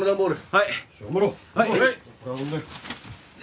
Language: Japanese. はい。